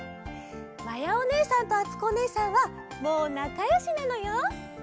まやおねえさんとあつこおねえさんはもうなかよしなのよ。